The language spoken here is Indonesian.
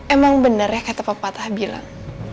emang bener ya kata pepatah bilang